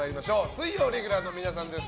水曜レギュラーの皆さんです。